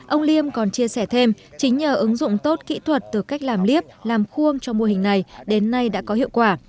ông liêm còn chia sẻ thêm chính nhờ ứng dụng tốt kỹ thuật từ cách làm liếp làm khuôn cho mô hình này đến nay đã có hiệu quả